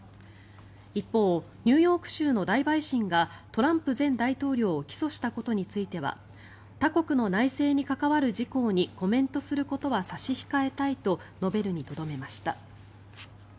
一方、ニューヨーク州の大陪審がトランプ前大統領を起訴したことについては他国の内政に関わる事項にコメントすることは差し控えたいと述べるにとどめました。